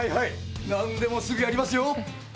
何でもすぐやりますよ！